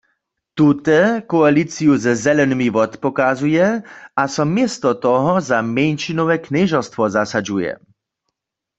Tute koaliciju ze Zelenymi wotpokazuje a so město toho za mjeńšinowe knježerstwo zasadźuje.